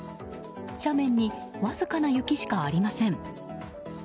斜面にわずかな雪しかありません。